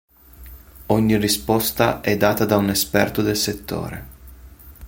Ogni risposta è data da un esperto del settore.